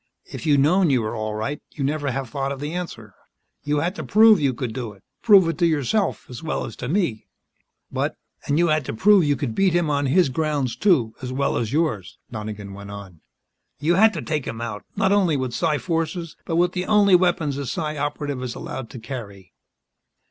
"If you'd known you were all right, you'd never have thought of the answer. You had to prove you could do it prove it to yourself as well as to me." "But " "And you had to prove you could beat him on his grounds, too, as well as yours," Donegan went on. "You had to take him, not only with psi forces, but with the only weapons a Psi Operative is allowed to carry."